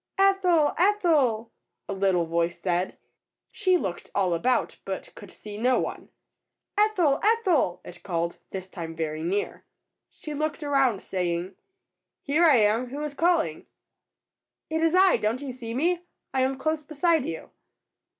''Ethel! Ethel!'^ a little voice said. She looked all about, but could see no one. ''Ethel! Ethel !^' it called, this time very near. She looked around, saying, "Here I am; who is calling?^^ "It is I. DonT you see me? I am close beside you.